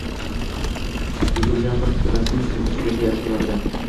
Regulyator rasmiy tushuntirish bersa yaxshi bo'lardi